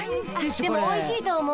でもおいしいと思う。